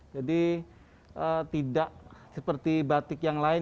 jadi tidak seperti batik yang lain